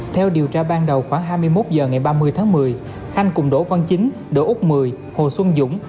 theo điều tra ban đầu khoảng hai mươi một h ngày ba mươi tháng một mươi khanh cùng đỗ văn chính đỗ úc mười hồ xuân dũng